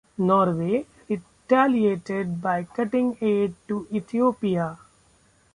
Norway retaliated by cutting aid to Ethiopia.